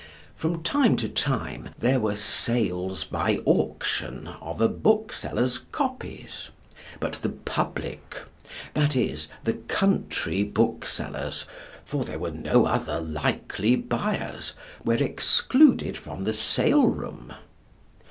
From time to time there were sales by auction of a bookseller's 'copies,' but the public that is, the country booksellers, for there were no other likely buyers were excluded from the sale room.